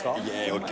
ＯＫ。